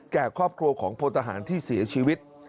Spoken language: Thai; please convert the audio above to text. แก่ครอบครัวของพลทหารที่เสียชีวิต